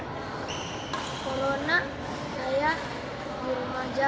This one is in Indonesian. corona saya di rumah jalan